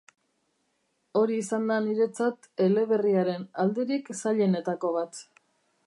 Hori izan da niretzat eleberriaren alderik zailenetako bat.